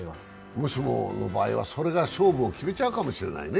もしもの場合はそれが勝負を決めちゃうかもしれないね。